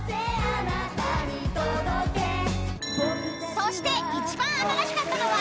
［そして一番新しかったのは］